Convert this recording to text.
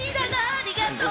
ありがとう！